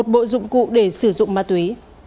một bộ dụng cụ để sử dụng ma túy